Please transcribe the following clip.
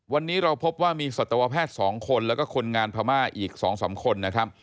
วันนี้เราพบว่ามีสัตวแพทย์๒คนแล้วก็คนงานพม่าอีก๒๓คนนะครับ